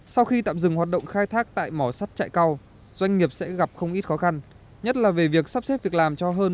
sau khi tạm dừng hoạt động khai thác tại mỏ sắt trại cao doanh nghiệp sẽ gặp không ít khó khăn nhất là về việc sắp xếp việc làm cho hơn một trăm linh tỷ đồng